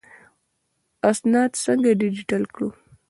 اسناد څنګه ډیجیټل کړو؟